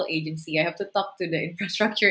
saya harus berbicara dengan agensi infrastruktur